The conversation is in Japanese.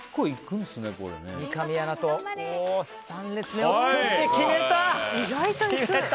三上アナと３列目を作って決めた！